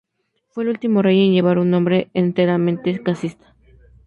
Fue el último rey en llevar un nombre enteramente casita.